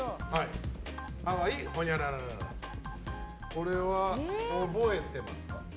これは覚えてますか？